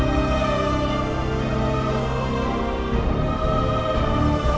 malam itu rasanya